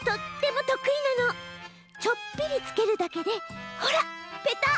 ちょっぴりつけるだけでほらペタッ！